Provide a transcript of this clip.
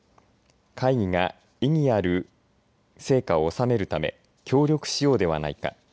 会議が、意義ある成果を収めるため協力しようではないか。